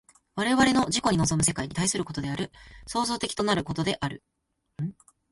我々の自己に臨む世界に対することである、創造的となることである。